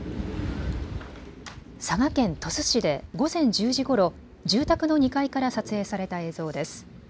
佐賀県鳥栖市で午前１０時ごろ住宅の２階から撮影された映像です。